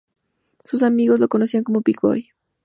Sus amigos lo conocían como "Big Boy".